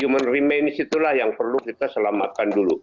tapi human remains itulah yang perlu kita selamatkan dulu